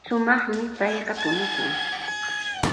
Shumaqmi payqa punukun.